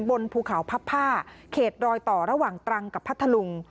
บนภูเขาพับผ้าเขตรอยต่อระหว่างตรังกับพัทธลุง